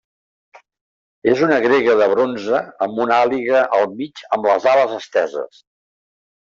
És una grega de bronze amb una àliga al mig amb les ales esteses.